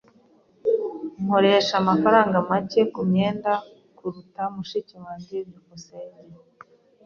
Nkoresha amafaranga make kumyenda kuruta mushiki wanjye. byukusenge